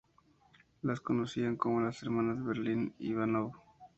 Las conocían como las hermanas Berlin-Ivanov.